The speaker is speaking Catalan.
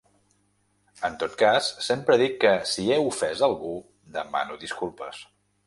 En tot cas, sempre dic que si he ofès a algú, demano disculpes.